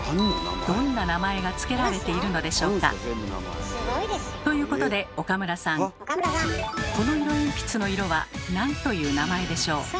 どんな名前が付けられているのでしょうか？ということで岡村さんこの色鉛筆の色は何という名前でしょう？